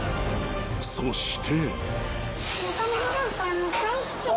［そして］